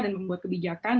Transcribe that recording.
yang membuat kebijakan